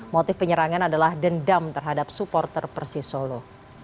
motif penyerangan adalah dendam terhadap supporter persisolo